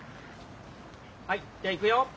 はいじゃあいくよ。